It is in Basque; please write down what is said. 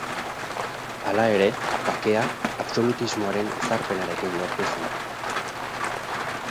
Hala ere, bakea, absolutismoaren ezarpenarekin lortu zen.